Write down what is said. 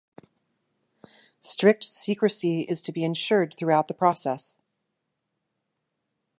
Strict secrecy is to be ensured throughout the process.